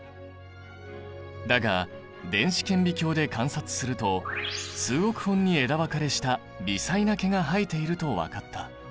だが電子顕微鏡で観察すると数億本に枝分かれした微細な毛が生えていると分かった。